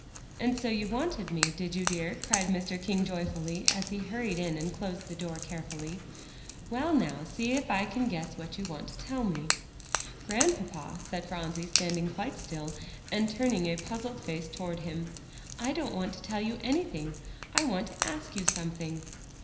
"And so you wanted me, did you, dear?" cried Mr. King joyfully, as he hurried in and closed the door carefully. "Well, now, see if I can guess what you want to tell me." "Grandpapa," said Phronsie, standing quite still and turning a puzzled face toward him, "I don't want to tell you anything; I want to ask you something."